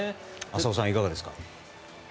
浅尾さんはいかがですか？